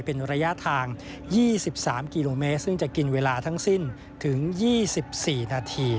เป็นระยะทาง๒๓กิโลเมตรซึ่งจะกินเวลาทั้งสิ้นถึง๒๔นาที